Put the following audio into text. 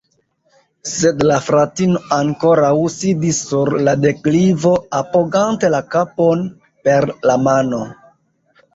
Sed la fratino ankoraŭ sidis sur la deklivo, apogante la kapon per la mano.